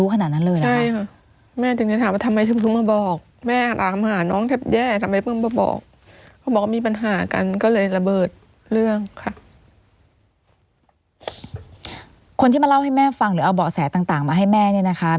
คนที่มาเล่าให้แม่ฟังหรือเอาเบาะแสต่างมาให้แม่เนี่ยนะคะ